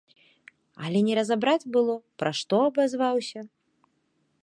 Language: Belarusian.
Але не разабраць было, пра што абазваўся.